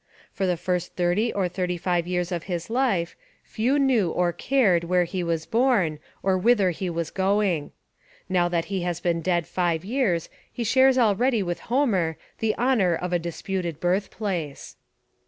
For the first thirty or thirty five years of his life, few knew or cared where he was born, or whither he was going. Now that he has been dead five years he shares already with Homer the honour of a disputed birth place.